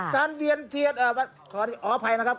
เวียนเทียนขออภัยนะครับ